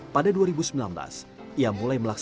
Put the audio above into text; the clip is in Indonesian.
pada dua ribu sembilan belas ia mulai melaksanakan